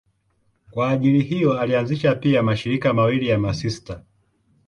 Kwa ajili hiyo alianzisha pia mashirika mawili ya masista.